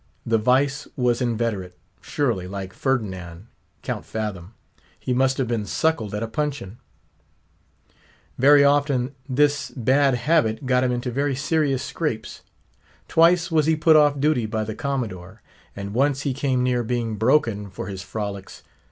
The vice was inveterate; surely, like Ferdinand, Count Fathom, he must have been suckled at a puncheon. Very often, this bad habit got him into very serious scrapes. Twice was he put off duty by the Commodore; and once he came near being broken for his frolics.